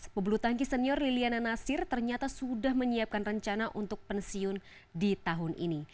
pebulu tangkis senior liliana nasir ternyata sudah menyiapkan rencana untuk pensiun di tahun ini